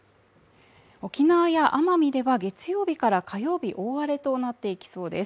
沖縄や奄美では月曜日から火曜日大荒れとなっていきそうです